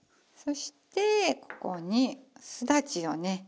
そしてここにすだちをね